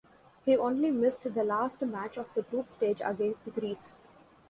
He only missed the last match of the group stage against Greece.